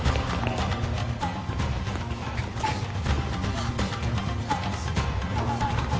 あっ！